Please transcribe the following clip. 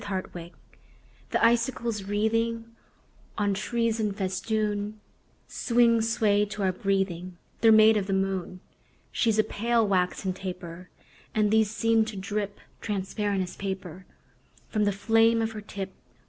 SILVER FILIGREE The icicles wreathing On trees in festoon Swing, swayed to our breathing: They're made of the moon. She's a pale, waxen taper; And these seem to drip Transparent as paper From the flame of her tip.